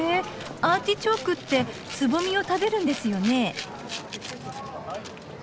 アーティチョークってつぼみを食べるんですよね。